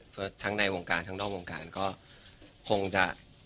เพราะทั้งในวงการทั้งนอกวงการก็คงจะ